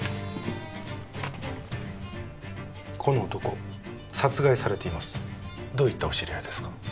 この男殺害されていますどういったお知り合いですか？